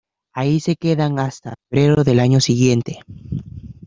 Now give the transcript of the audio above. Allí se queda hasta febrero del año siguiente.